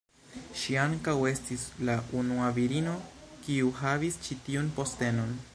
Ŝi ankaŭ estis la unua virino kiu havis ĉi-tiun postenon.